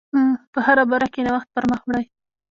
په هره برخه کې نوښت پر مخ وړئ.